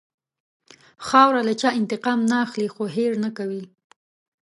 خاوره له چا انتقام نه اخلي، خو هېر نه کوي.